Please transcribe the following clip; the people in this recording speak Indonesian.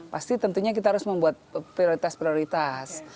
pasti tentunya kita harus membuat prioritas prioritas